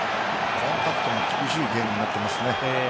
コンタクトも厳しいゲームになっていますね。